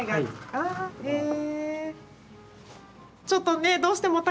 ああへえ。